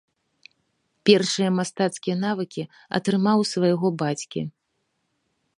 Першыя мастацкія навыкі атрымаў у свайго бацькі.